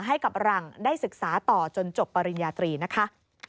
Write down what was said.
ให้กับหลังได้ศึกษาต่อจนจบปริญญาตรีนะคะ